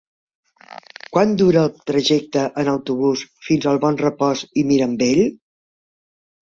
Quant dura el trajecte en autobús fins a Bonrepòs i Mirambell?